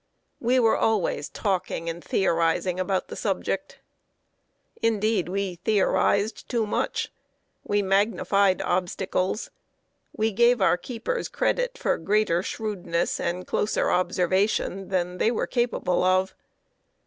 We were always talking and theorizing about the subject. Indeed, we theorized too much. We magnified obstacles. We gave our keepers credit for greater shrewdness and closer observation than they were capable of.